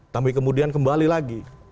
tapi kemudian kembali lagi